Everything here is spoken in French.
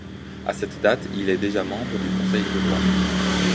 À cette date, il est déjà membre du Conseil du roi.